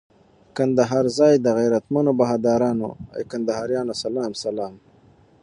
کندهار ځای د غیرتمنو بهادرانو، ای کندهاریانو سلام سلام